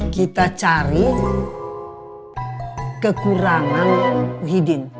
kita cari kekurangan wihidin